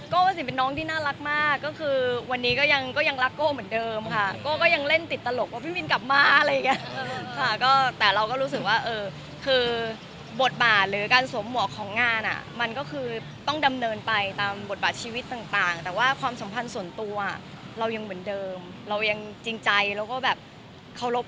วัสสินเป็นน้องที่น่ารักมากก็คือวันนี้ก็ยังก็ยังรักโก้เหมือนเดิมค่ะโก้ก็ยังเล่นติดตลกว่าพี่บินกลับมาอะไรอย่างเงี้ยค่ะก็แต่เราก็รู้สึกว่าเออคือบทบาทหรือการสวมหมวกของงานอ่ะมันก็คือต้องดำเนินไปตามบทบาทชีวิตต่างแต่ว่าความสัมพันธ์ส่วนตัวเรายังเหมือนเดิมเรายังจริงใจแล้วก็แบบเคารพ